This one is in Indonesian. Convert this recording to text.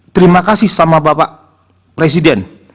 terima kasih sama bapak presiden